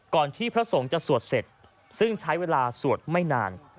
ที่พระสงฆ์จะสวดเสร็จซึ่งใช้เวลาสวดไม่นาน